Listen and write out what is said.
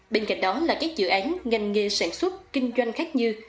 bên cạnh đó là các dự án ngành nghề sản xuất kinh doanh khác như